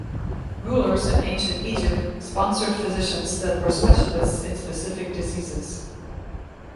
Rulers in Ancient Egypt sponsored physicians that were specialists in specific diseases.